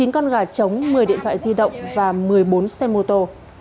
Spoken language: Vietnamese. chín con gà trống một mươi điện thoại di động và một mươi bốn xe mô tô